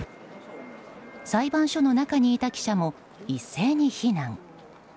裁判所の中にいた記者も一斉に避難。